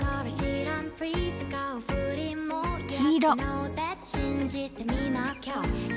黄色。